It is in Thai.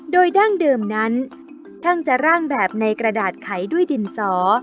โดยดั้งเดิมนั้นช่างจะร่างแบบในกระดาษไขด้วยดินสอ